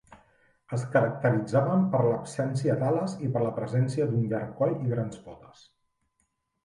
Es caracteritzaven per l'absència d'ales i per la presència d'un llarg coll i grans potes.